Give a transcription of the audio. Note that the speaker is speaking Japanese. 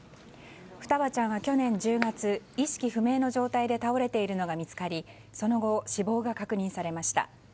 双葉ちゃんは去年１０月意識不明の状態で倒れているのが見つかりその後、死亡が確認されました。